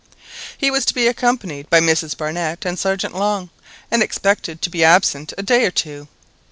He was to be accompanied by Mrs Barnett and Sergeant Long, and expected to be absent a day or two.